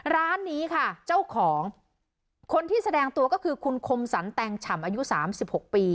ร้านนี้ค่ะเจ้าของคนที่แสดงตัวก็คือคุณคมสรรแตงฉ่ำอายุสามสิบหกปี